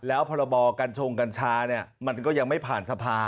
แล้วพรบกัญชงกัญชาเนี่ยมันก็ยังไม่ผ่านสภา